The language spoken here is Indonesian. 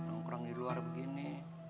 kau kurang di luar begini